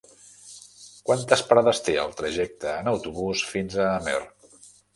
Quantes parades té el trajecte en autobús fins a Amer?